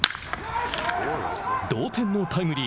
同点のタイムリー。